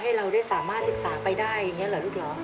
เราได้สามารถศึกษาไปได้อย่างนี้เหรอลูกเหรอ